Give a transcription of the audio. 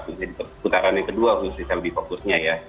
karena putaran yang kedua harus bisa lebih fokusnya ya